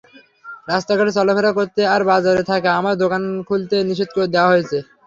রাস্তাঘাটে চলাফেরা করতে এবং বাজারে থাকা আমাদের দোকান খুলতে নিষেধ দেওয়া হয়েছে।